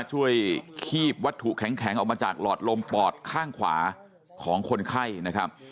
คีบวัตถุแข็งออกมาจากหลอดลมปอดข้างขวาของคนไข้นะครับ